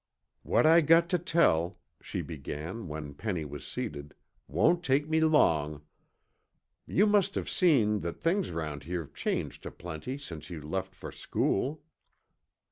"What I got tuh tell," she began when Penny was seated, "won't take me long. You must've seen that things around here's changed aplenty since you left fer school."